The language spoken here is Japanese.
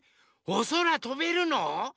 おそらとべるの？